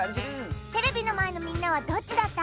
テレビのまえのみんなはどっちだった？